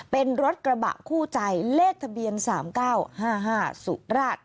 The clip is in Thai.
เป็นรถกระบะคู่ใจเลขทะเบียน๓๙๕๕สุราช